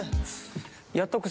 やっとく？